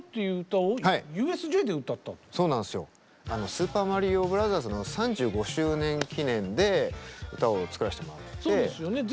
「スーパーマリオブラザーズ」の３５周年記念で歌を作らせてもらって。